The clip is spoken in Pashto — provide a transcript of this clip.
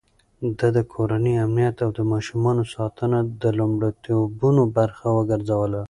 ده د کورنۍ امنيت او د ماشومانو ساتنه د لومړيتوبونو برخه وګرځوله.